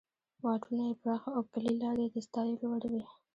واټونه یې پراخه او پلې لارې یې د ستایلو وړ وې.